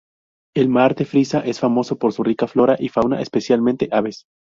El mar de Frisia es famoso por su rica flora y fauna, especialmente aves.